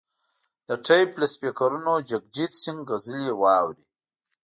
د ټیپ له سپیکرونو جګجیت سنګ غزلې واوري.